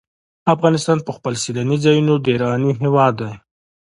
افغانستان په خپلو سیلاني ځایونو ډېر غني هېواد دی.